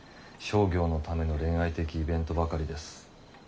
商業のための恋愛的イベントばかりです。